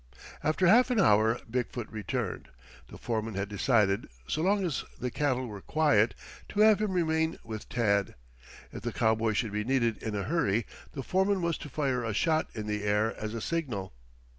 After half an hour Big foot returned. The foreman had decided, so long as the cattle were quiet, to have him remain with Tad. If the cowboy should be needed in a hurry the foreman was to fire a shot in the air as a signal.